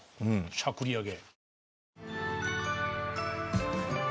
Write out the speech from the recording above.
しゃくりあげ。